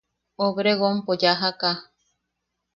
Obregonpo yajaka.